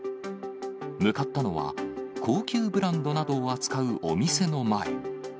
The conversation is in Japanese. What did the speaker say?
向かったのは、高級ブランドなどを扱うお店の前。